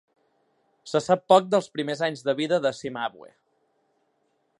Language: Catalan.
Se sap poc dels primers anys de vida de Cimabue.